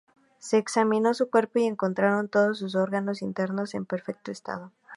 Se examinó su cuerpo y encontraron todos sus órganos internos en perfecto estado.